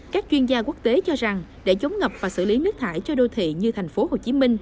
các chuyên gia quốc tế cho rằng để chống ngập và xử lý nước thải cho đô thị như tp hcm